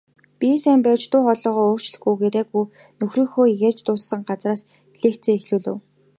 Биеэ сайн барьж, дуу хоолойгоо өөрчлөлгүйгээр яг нөхрийнхөө ярьж дууссан газраас лекцээ эхлэв.